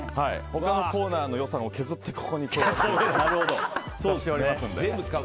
他のコーナーの予算を削ってここに今日は投入しておりますんで。